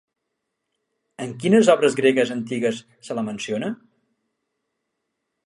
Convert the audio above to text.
En quines obres gregues antigues se la menciona?